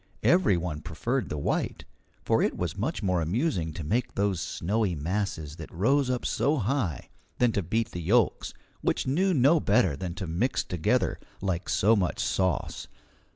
Every one preferred the white, for it was much more amusing to make those snowy masses that rose up so high than to beat the yolks, which knew no better than to mix together like so much sauce.